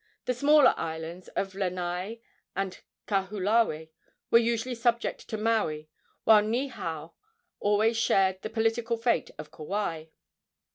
The smaller islands of Lanai and Kahoolawe were usually subject to Maui, while Niihau always shared the political fate of Kauai.